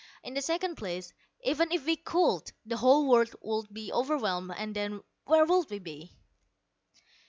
In the second place, even if we could, the whole world would be overwhelmed, and then where would we be?"